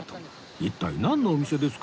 一体なんのお店ですか？